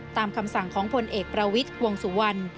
ตามคำสั่งของผลเอกประวิทย์วงสุวรรณ